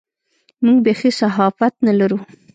موږ بېخي صحافت نه لرو.